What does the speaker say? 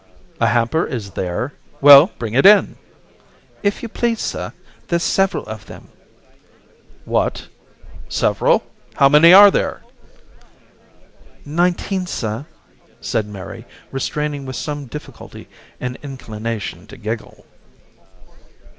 "A hamper, is there? Well, bring it in." "If you please, sir, there's several of them." "What? Several? How many are there?" "Nineteen, sir," said Mary, restraining with some difficulty an inclination to giggle.